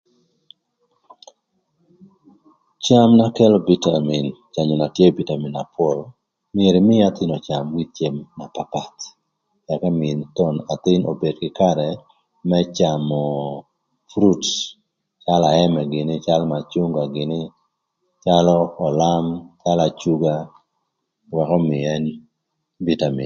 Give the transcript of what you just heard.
Cem na kelö bitamin na pol myero ïmïï athïn öcam with cem na papath ëk ömïï athïn thon obed kï karë më camö nyig yen calö aëmë gïnï calö macünga gïnï, calö ölam, calö acuga wëk ömïï ën bitamin.